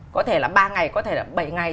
có thể là ba ngày có thể là bảy ngày